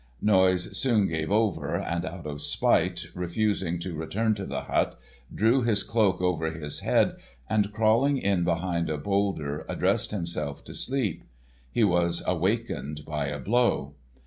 Noise soon gave over, and, out of spite refusing to return to the hut, drew his cloak over his head, and crawling in behind a bowlder addressed himself to sleep. He was awakened by a blow.